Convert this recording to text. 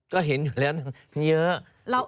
ก็เห็นอยู่แล้วนะมีเยอะ